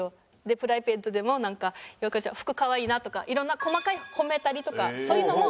プライベートでもイワクラちゃん服かわいいなとか色んな細かい褒めたりとかそういうのもしてくれるし。